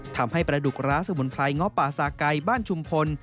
ทำให้ปลาดุกร้าสมุนไพรง้อป่าสาไก่บ้านชุมพล